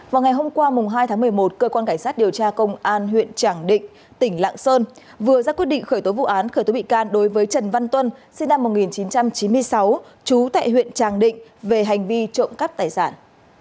vào ngày hôm qua hai tháng một mươi một cơ quan cảnh sát điều tra công an huyện tràng định tỉnh lạng sơn vừa ra quyết định khởi tố vụ án khởi tố bị can đối với trần văn tuân sinh năm một nghìn chín trăm chín mươi sáu trú tại huyện tràng định về hành vi trộm cắp tài sản